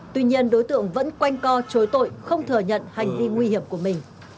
tuy nhiên đối tượng vẫn quanh co chối tội không thừa nhận hành vi nguy hiểm của mình